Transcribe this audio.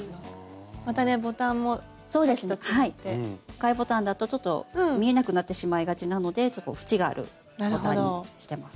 貝ボタンだとちょっと見えなくなってしまいがちなのでふちがあるボタンにしてます。